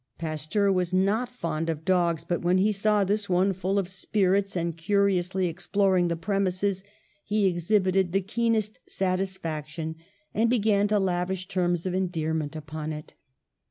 Pasteur was not fond of dogs, but when he saw this one, full of spirits HYDROPHOBIA 165 and curiously exploring the premises, he ex hibited the keenest satisfaction and began to lavish terms of endearment upon it.